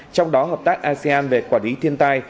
trong đó hợp tác asean về quản lý thiên tai